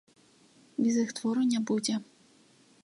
Без іх твору не будзе.